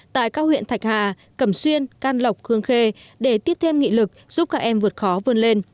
tại các huyện thạch hà cẩm xuyên can lộc hương khê để tiếp thêm nghị lực giúp các em vượt khó vươn lên